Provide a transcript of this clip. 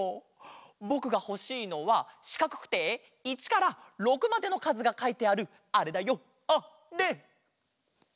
ぼくがほしいのはしかくくて１から６までのかずがかいてあるあれだよあれ！